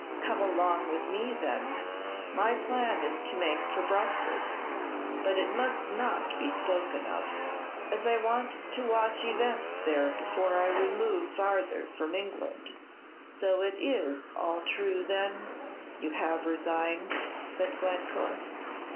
"Come along with me, then; my plan is to make for Brussels, but it must not be spoken of, as I want to watch events there before I remove farther from England." "So it is all true, then, you have resigned?" said Glencore.